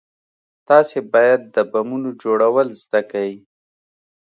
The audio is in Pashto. تاسې بايد د بمونو جوړول زده کئ.